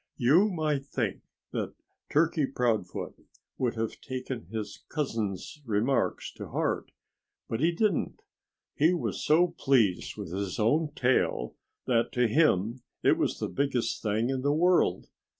You might think that Turkey Proudfoot would have taken his cousin's remarks to heart. But he didn't. He was so pleased with his own tail that to him it was the biggest thing in the world.